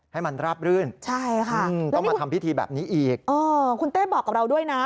ให้มันราบรื่นใช่ค่ะต้องมาทำพิธีแบบนี้อีกเออคุณเต้บอกกับเราด้วยนะ